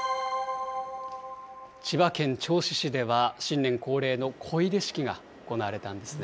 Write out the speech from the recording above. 千葉県銚子市では、新年恒例の漕出式が行われたんですね。